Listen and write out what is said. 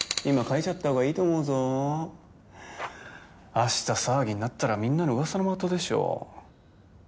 あした騒ぎになったらみんなのうわさの的でしょ